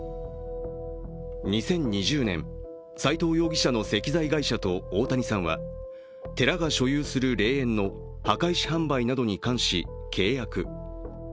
２０２０年、斉藤容疑者の石材会社と大谷さんは寺が所有する霊園の墓石販売などに関し、契約。